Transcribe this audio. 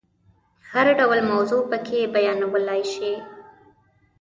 هر ډول موضوع پکې بیانولای شي.